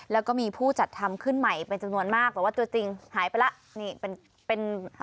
แล้วก็มีผู้จัดทำขึ้นใหม่เป็นจำนวนมากแต่ว่าตัวจริงหายไปแล้วนี่เป็นเป็น